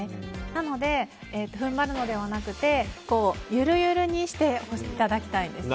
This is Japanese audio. なので、踏ん張るのではなくゆるゆるにしていただきたいんです。